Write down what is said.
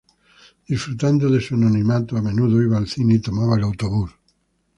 Disfrutando de su anonimato, a menudo iba al cine y tomaba el autobús.